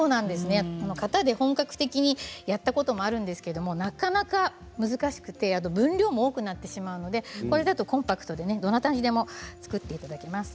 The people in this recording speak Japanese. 型で本格的にやったこともあるんですけれども、なかなか難しくて分量も多くできてしまうのでこれ、だとコンパクトでどなたにも作っていただけます。